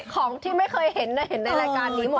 ของที่ไม่เคยเห็นเห็นในรายการนี้หมด